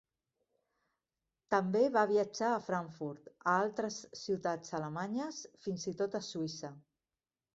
També va viatjar a Frankfurt, a altres ciutats alemanyes, fins i tot a Suïssa.